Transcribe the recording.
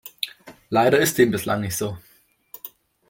Leider ist dem bislang nicht so.